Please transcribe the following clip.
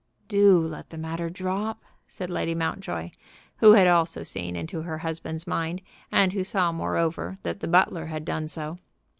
"Do let the matter drop," said Lady Mountjoy, who had also seen into her husband's mind, and saw, moreover, that the butler had done so.